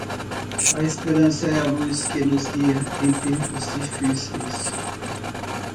A esperança é a luz que nos guia em tempos difíceis.